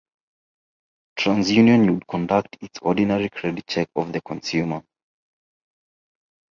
TransUnion would conduct its ordinary credit check of the consumer.